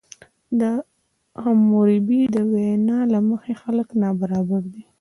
د حموربي د وینا له مخې خلک نابرابر دي.